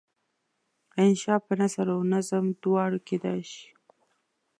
انشأ په نثر او نظم دواړو کیدای شي.